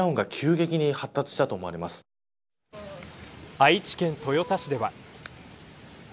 愛知県、豊田市では。